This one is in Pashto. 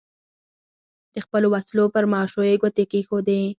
د خپلو وسلو پر ماشو یې ګوتې کېښودې.